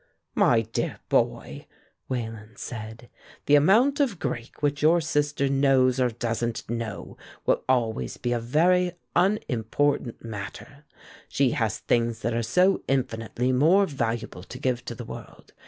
"My dear boy," Wayland said, "the amount of Greek which your sister knows or doesn't know will always be a very unimportant matter; she has things that are so infinitely more valuable to give to the world.